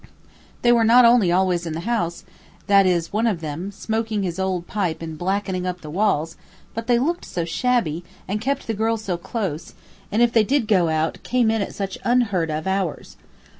They were not only always in the house, that is one of them, smoking his old pipe and blackening up the walls, but they looked so shabby, and kept the girl so close, and if they did go out, came in at such unheard of hours.